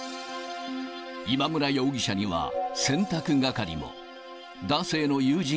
今村容疑者には、洗濯係も。